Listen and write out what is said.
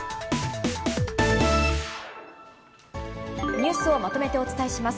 ニュースをまとめてお伝えします。